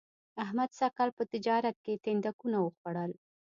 احمد سږ کال په تجارت کې تیندکونه و خوړل